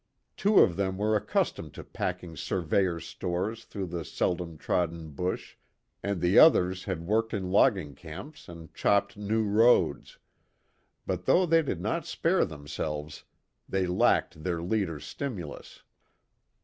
Two of them were accustomed to packing surveyors' stores through the seldom trodden bush, and the others had worked in logging camps and chopped new roads; but though they did not spare themselves, they lacked their leader's stimulus.